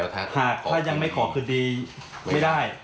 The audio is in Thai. ถ้ายังไม่ขอคืนนี้ไม่ได้